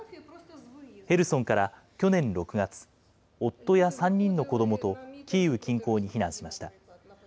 ヘルソンから去年６月、夫や３人の子どもとキーウ近郊に避難しました。